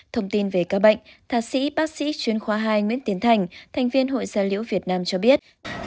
thông tin về ca bệnh thạc sĩ bác sĩ chuyên khoa hai nguyễn tiến thành thành viên hội gia liễu việt nam cho biết